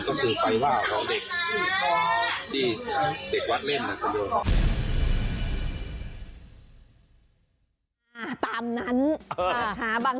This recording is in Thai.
ก็ถือไฟว่าเพราะเด็ก